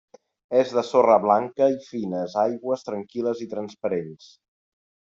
És de sorra blanca i fines aigües tranquil·les i transparents.